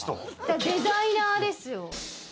デザイナーですよ。